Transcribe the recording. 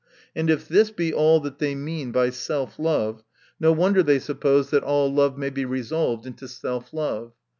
And if this be all that" they mean by self love, no wonder they suppose that all love may be resolved into self love.